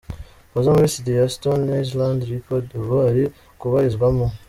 Fazzo muri studio ya Stone Island Record ubu ari kubarizwamo.